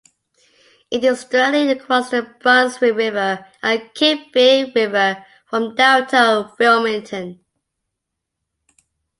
It is directly across the Brunswick River and Cape Fear River from downtown Wilmington.